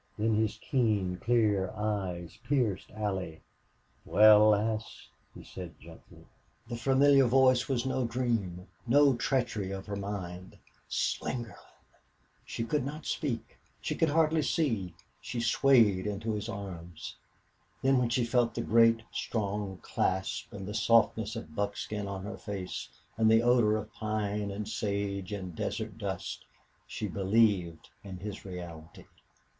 Then his keen, clear eyes pierced Allie. "Wal, lass," he said, gently. The familiar voice was no dream, no treachery of her mind. Slingerland! She could not speak. She could hardly see. She swayed into his arms. Then when she felt the great, strong clasp and the softness of buckskin on her face and the odor of pine and sage and desert dust, she believed in his reality.